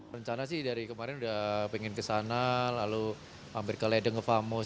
rencana sih dari kemarin udah pengen kesana lalu hampir ke ledeng ke famus